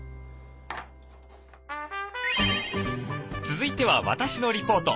続いては私のリポート。